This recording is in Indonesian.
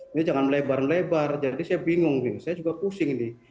ini jangan melebar melebar jadi saya bingung saya juga pusing nih